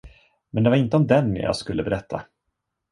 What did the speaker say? Men det var inte om den jag skulle berätta.